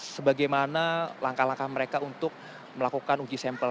sebagaimana langkah langkah mereka untuk melakukan uji sampel